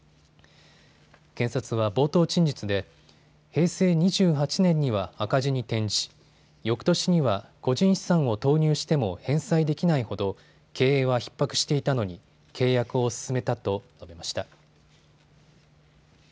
検察は冒頭陳述で平成２８年には赤字に転じよくとしには個人資産を投入しても返済できないほど経営はひっ迫していたのに契約を進めたと述べました。